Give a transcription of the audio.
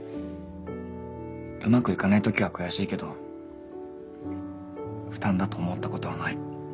うまくいかない時は悔しいけど負担だと思ったことはない。